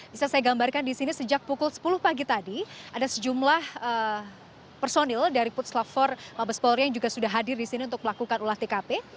bisa saya gambarkan di sini sejak pukul sepuluh pagi tadi ada sejumlah personil dari putslap empat mabes polri yang juga sudah hadir di sini untuk melakukan ulah tkp